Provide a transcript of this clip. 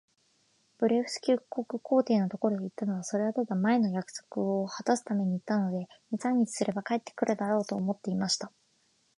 ブレフスキュ国皇帝のところへ行ったのは、それはただ、前の約束をはたすために行ったので、二三日すれば帰って来るだろう、と思っていました。